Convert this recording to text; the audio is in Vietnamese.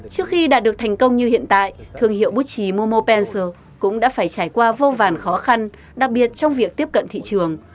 trước khi đạt được thành công như hiện tại thương hiệu bút trì momo pencil cũng đã phải trải qua vô vàn khó khăn đặc biệt trong việc tiếp cận thị trường